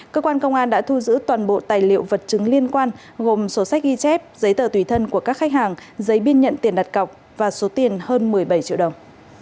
cơ quan công an đã thu giữ toàn bộ tài liệu vật chứng liên quan gồm sổ sách ghi chép giấy tờ tùy thân của các khách hàng giấy biên nhận tiền đặt cọc và số tiền hơn một mươi bảy triệu đồng